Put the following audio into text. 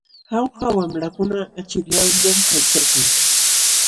Jauja wamlakuna achallawllam kaykalkan.